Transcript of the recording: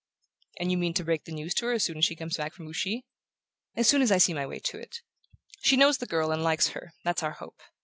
"And you mean to break the news to her as soon as she comes back from Ouchy?" "As soon as I see my way to it. She knows the girl and likes her: that's our hope.